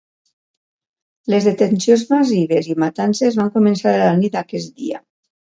Les detencions massives i matances van començar a la nit d'aquest dia.